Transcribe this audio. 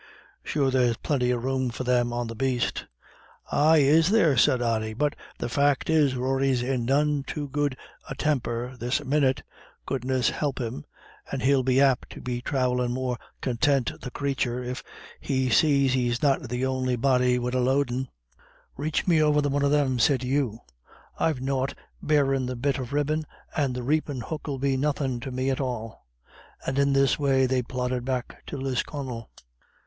Sure there's plinty of room for them on the baste." "Ay, is there?" said Ody. "But the fac' is Rory's in none too good a temper this minyit, goodness help him, and he'll be apt to thravel more contint, the crathur, if he sees he's not the on'y body wid a loadin'." "Rax me over the one of them," said Hugh, "I've nought barrin' the bit of ribbon, and the rapin' hook 'ill be nothin' to me at all." And in this way they plodded back to Lisconnel.